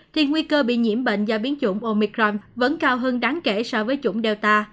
thì nguy cơ bị nhiễm bệnh do biến chủng omicrom vẫn cao hơn đáng kể so với chủng delta